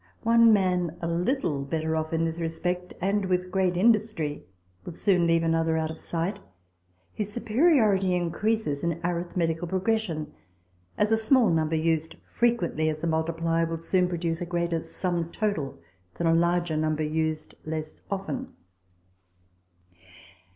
One man, a little better off in this respect, and with great industry, will soon leave another out of sight. His superiority increases in Arithmetical Progression ; as a small number, used frequently as a multiplier, will soon produce a greater sum total than a larger number used less often.